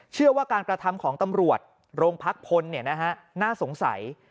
เชื่อว่าการกระทำของตำรวจโรงพักพลน่าสงสัย